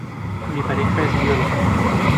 Mi pareja es bióloga.